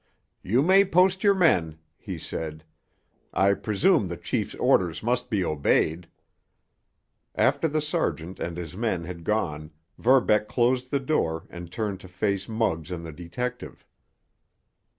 "You may post your men," he said. "I presume the chief's orders must be obeyed." After the sergeant and his men had gone, Verbeck closed the door and turned to face Muggs and the detective.